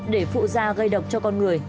để phụ gia gây độc cho con người